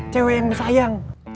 cewek yang disayang